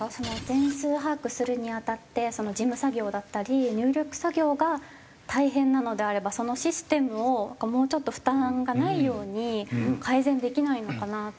全数把握するに当たって事務作業だったり入力作業が大変なのであればそのシステムをもうちょっと負担がないように改善できないのかなと思っていて。